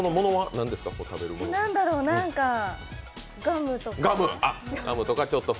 何だろう、ガムとか。